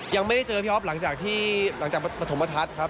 ยังไม่ได้เจอพี่อ๊อฟหลังจากที่หลังจากปฐมทัศน์ครับ